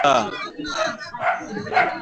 Alifanya makosa